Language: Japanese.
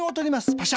パシャ。